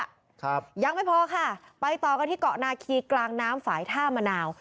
ครับยังไม่พอค่ะไปต่อกันที่เกาะนาคีกลางน้ำฝ่ายท่ามะนาว